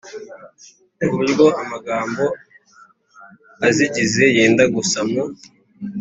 ku buryo amagambo azigize yenda gusa mu